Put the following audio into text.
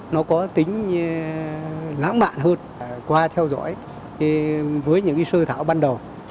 nó có tính lãng mạn hơn qua theo dõi với những sơ thảo ban đầu